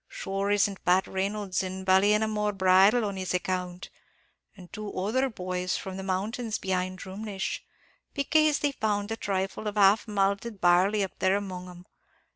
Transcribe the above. Shure isn't Pat Reynolds in Ballinamore Bridewell on his account, an' two other boys from the mountains behind Drumleesh, becaze they found a thrifle of half malted barley up there among them?